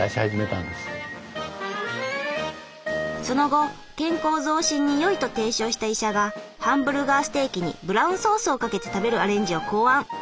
その後健康増進に良いと提唱した医者がハンブルガーステーキにブラウンソースをかけて食べるアレンジを考案。